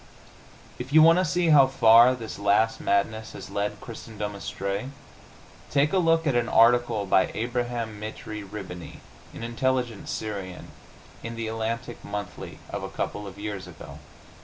If you want to see how far this last madness has led Christendom astray, take a look at an article by Abraham Mitrie Rihbany, an intelligent Syrian, in the Atlantic Monthly of a couple of years ago.